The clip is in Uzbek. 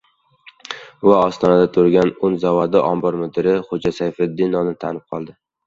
va ostonada turgan un zavodi ombor mudiri — Xo‘ja Sayfiddinovni tanib qoldi.